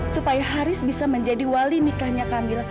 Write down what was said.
supaya haris bisa menjadi wali nikahnya kamil